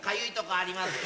ありますか？